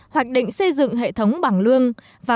hoạch định xây dựng hệ thống bảng lương